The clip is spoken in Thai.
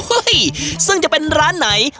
ซึ่งจะเป็นร้านไหน